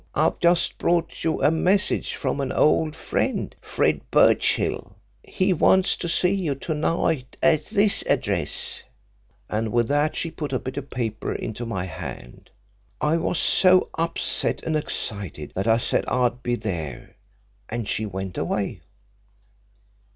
I've just brought you a message from an old friend Fred Birchill he wants to see you to night at this address.' And with that she put a bit of paper into my hand. I was so upset and excited that I said I'd be there, and she went away.